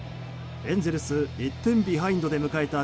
エンゼルス１点ビハインドで迎えた